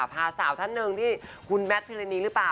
พาสาวท่านหนึ่งที่คุณแมทพิรณีหรือเปล่า